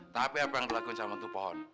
tapi apa yang dilakukan sama untuk pohon